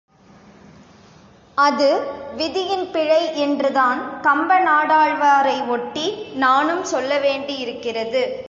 அது விதியின் பிழை என்று தான் கம்பநாடாழ்வாரை ஒட்டி நானும் சொல்லவேண்டியிருக்கிறது.